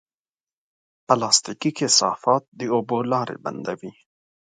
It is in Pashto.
پلاستيکي کثافات د اوبو لارې بندوي.